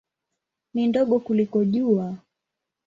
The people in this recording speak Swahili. Ni ndogo kuliko Jua.